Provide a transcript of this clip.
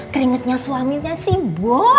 keringetnya suaminya sih mbok